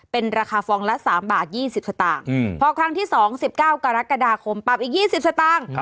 เป็นราคาฟองละ๓บาท๒๐สตางค์พอครั้งที่๒๑๙กรกฎาคมปรับอีก๒๐สตางค์